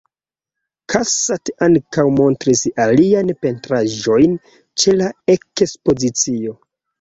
Cassatt ankaŭ montris aliajn pentraĵojn ĉe la Ekspozicio.